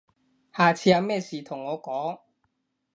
下次有咩事同我講